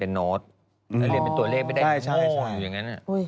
เป็นเพลงพระชนิดพ่นเนี้ยฮะ